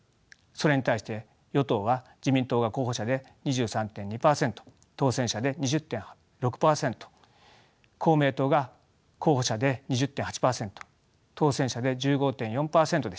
それに対して与党は自民党が候補者で２３．２％当選者で２０．６％公明党が候補者で２０．８％当選者で１５．４％でした。